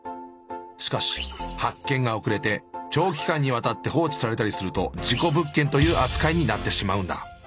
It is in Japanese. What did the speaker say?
しかし発見が遅れて長期間にわたって放置されたりすると事故物件という扱いになってしまうんだ。